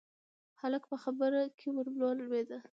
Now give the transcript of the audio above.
هلک په خبره کې ورولوېد: